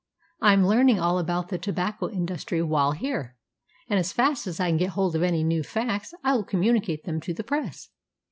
I am learning all about the tobacco industry while here, and as fast as I get hold of any new facts I will communicate them to the press.